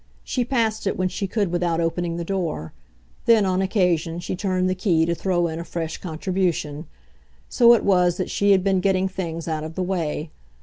She passed it when she could without opening the door; then, on occasion, she turned the key to throw in a fresh contribution. So it was that she had been getting things out of the way.